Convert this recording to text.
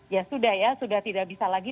ya sudah ya sudah tidak bisa lagi